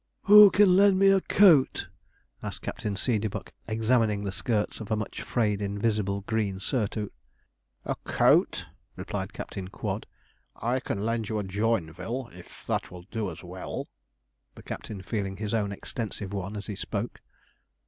'Who can lend me a coat?' asked Captain Seedeybuck, examining the skirts of a much frayed invisible green surtout. 'A coat!' replied Captain Quod; 'I can lend you a Joinville, if that will do as well,' the captain feeling his own extensive one as he spoke.